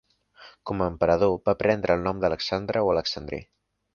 Com a emperador va prendre el nom d'Alexandre o Alexandrí.